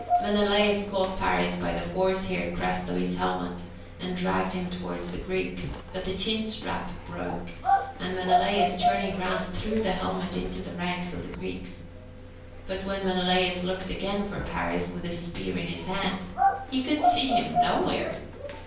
Menelaus caught Paris by the horsehair crest of his helmet, and dragged him towards the Greeks, but the chin strap broke, and Menelaus turning round threw the helmet into the ranks of the Greeks. But when Menelaus looked again for Paris, with a spear in his hand, he could see him nowhere!